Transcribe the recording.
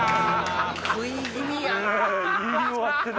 食い気味やな！